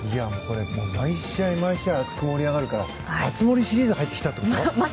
毎試合、毎試合熱く盛り上がるから熱盛シリーズに入ってきたみたい。